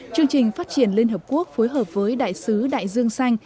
chương trình phát triển liên hợp quốc phối hợp với đại sứ đại dương xanh